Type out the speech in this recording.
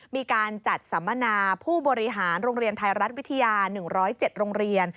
มีการจัดสัมมนาผู้บริหารโรงเรียนไทยรัฐวิทยา๑๐๗โรงเรียน